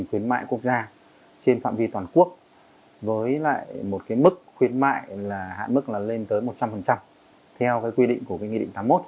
khuyến mại hạn mức lên tới một trăm linh theo quy định của nghị định tám mươi một